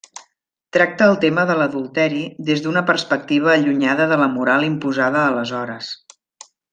Tracta el tema de l'adulteri des d'una perspectiva allunyada de la moral imposada aleshores.